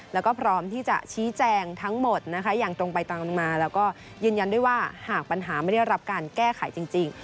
แล้วก็พร้อมที่จะชี้แจงทั้งหมดนะคะอย่างตรงไปตรงมาแล้วก็ยืนยันด้วยว่าหากปัญหาไม่ได้รับการแก้ไขจริง